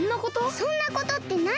「そんなこと」ってなによ！